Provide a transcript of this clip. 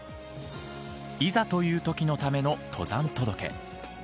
いざというときのための登山届。